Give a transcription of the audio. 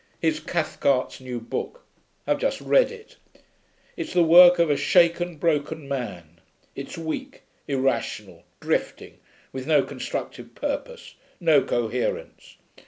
Here's Cathcart's new book. I've just read it. It's the work of a shaken, broken man. It's weak, irrational, drifting, with no constructive purpose, no coherence.